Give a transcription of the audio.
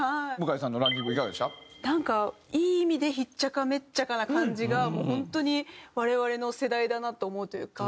なんかいい意味でひっちゃかめっちゃかな感じがもう本当に我々の世代だなと思うというか。